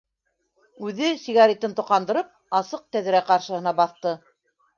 Үҙе, сигаретын тоҡандырып, асыҡ тәҙрә ҡаршыһына баҫты.